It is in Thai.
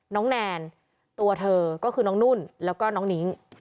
แนนตัวเธอก็คือน้องนุ่นแล้วก็น้องนิ้ง